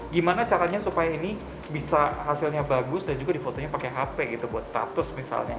gimana caranya supaya ini bisa hasilnya bagus dan juga di fotonya pakai hp gitu buat status misalnya